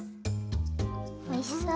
おいしそう。